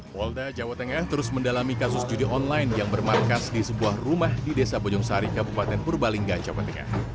polda jawa tengah terus mendalami kasus judi online yang bermarkas di sebuah rumah di desa bojong sari kabupaten purbalingga jawa tengah